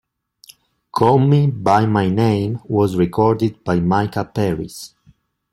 "Call Me by My Name" was recorded by Mica Paris.